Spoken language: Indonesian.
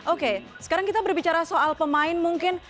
oke sekarang kita berbicara soal pemain mungkin